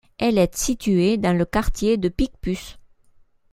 Elle est située dans le quartier de Picpus.